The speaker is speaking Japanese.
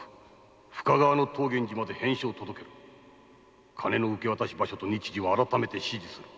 深川の東源寺まで返書を届けろ」「金の受け渡し場所と日時は改めて指示する。